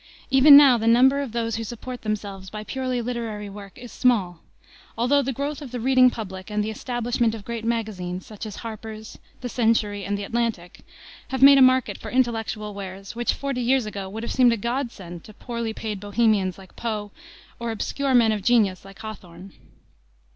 Even now the number of those who support themselves by purely literary work is small, although the growth of the reading public and the establishment of great magazines, such as Harper's, the Century, and the Atlantic, have made a market for intellectual wares which forty years ago would have seemed a godsend to poorly paid Bohemians like Poe or obscure men of genius like Hawthorne.